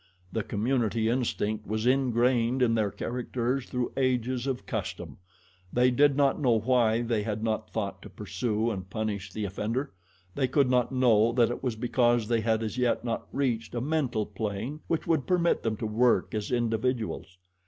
The community instinct was ingrained in their characters through ages of custom. They did not know why they had not thought to pursue and punish the offender they could not know that it was because they had as yet not reached a mental plane which would permit them to work as individuals.